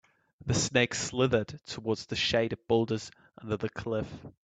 The snake slithered toward the shaded boulders under the cliff.